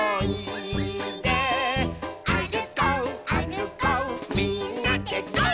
「あるこうあるこうみんなでゴー！」